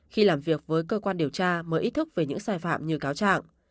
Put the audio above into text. khi làm việc với cơ quan điều tra mới ý thức về những sai phạm như cáo trạng